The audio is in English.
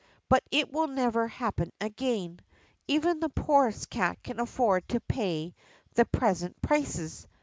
But it will never happen again. Even the poorest cat can afford to pay the present prices.